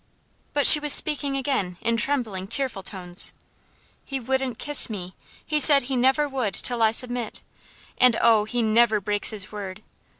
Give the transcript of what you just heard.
But she was speaking again in trembling, tearful tones: "He wouldn't kiss me! he said he never would till I submit; and oh! he never breaks his word.